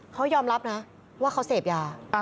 เขายอมรับนะว่าเขาเสพยา